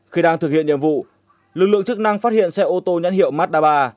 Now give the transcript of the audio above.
khi đang thực hiện nhiệm vụ lực lượng chức năng phát hiện xe ô tô nhãn hiệu maddaba